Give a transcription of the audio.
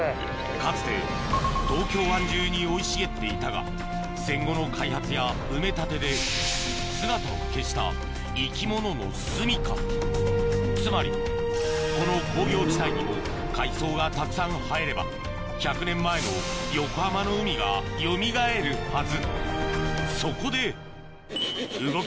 かつて東京湾じゅうに生い茂っていたが戦後の開発や埋め立てで姿を消した生き物のすみかつまりこの工業地帯にも海藻がたくさん生えれば１００年前の横浜の海がよみがえるはず